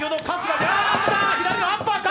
左のアッパーか？